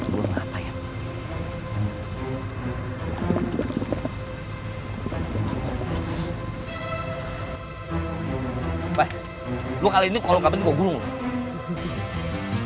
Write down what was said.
wah lu kali ini kalo gak benteng gue gulung